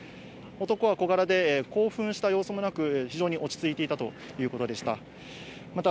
男は小柄で、興奮した様子もなく、非常に落ち着いていたということでした。